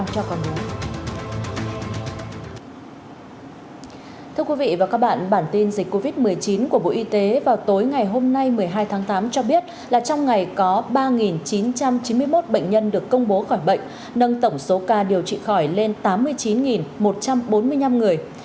thưa quý vị và các bạn bản tin dịch covid một mươi chín của bộ y tế vào tối ngày hôm nay một mươi hai tháng tám cho biết là trong ngày có ba chín trăm chín mươi một bệnh nhân được công bố khỏi bệnh nâng tổng số ca điều trị khỏi lên tám mươi chín một trăm bốn mươi năm người